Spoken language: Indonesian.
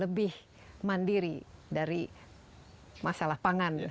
lebih mandiri dari masalah pangan